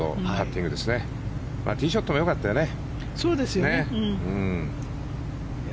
ティーショットもよかったよね。